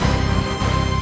aku akan menang